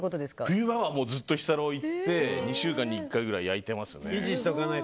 冬場は日サロに行って２週間に１回くらい焼いてます。